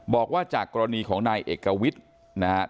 บอกว่าจากกรณีของนายเอกวิทย์นะครับ